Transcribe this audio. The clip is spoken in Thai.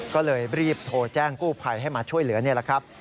ก็เลยรีบโทรแจ้งกู้ภัยให้มาช่วยเหลือแบบนี้